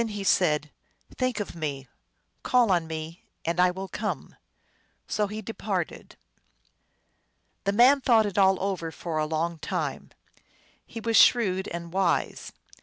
365 he said, " think of me ; call on me, and I will come." So he departed. The man thought it all over for a long time. He was shrewd and wise.